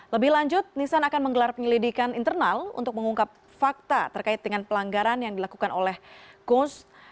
lebih lanjut nissan akan menggelar penyelidikan internal untuk mengungkap fakta terkait dengan pelanggaran yang dilakukan oleh goes